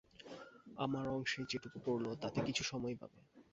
আমার অংশে যেটুকু পড়ল তাতে কিছু সময় পাবে।